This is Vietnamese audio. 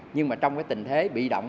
nhưng mà trong cái tình thế bị động